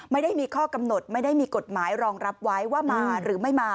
ไม่ได้มีข้อกำหนดไม่ได้มีกฎหมายรองรับไว้ว่ามาหรือไม่มา